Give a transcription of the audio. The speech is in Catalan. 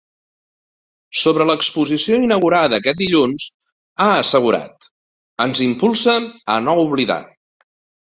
Sobre l’exposició inaugurada aquest dilluns, ha assegurat: Ens impulsa a no oblidar.